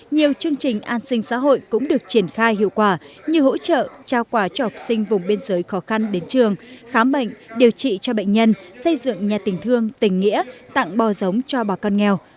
nhiều chương trình an sinh xã hội cũng được triển khai hiệu quả như hỗ trợ trao quà cho học sinh vùng biên giới khó khăn đến trường khám bệnh điều trị cho bệnh nhân xây dựng nhà tình thương tỉnh nghĩa tặng bò giống cho bà con nghèo